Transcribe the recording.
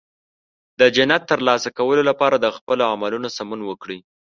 د جنت ترلاسه کولو لپاره د خپل عملونو سمون وکړئ.